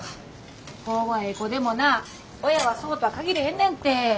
子でもな親はそうとは限れへんねんて。